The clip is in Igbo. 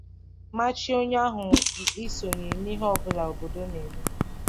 màchie onye ahụ isonye n'ihe ọbụla obodo na-eme